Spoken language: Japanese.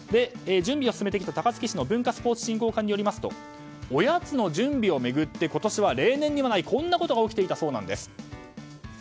準備を進めてきた高槻市の文化スポーツ振興課によりますとおやつの準備を巡って今年は例年にはないこんなことが起きていたそうです。